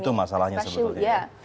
itu masalahnya sebetulnya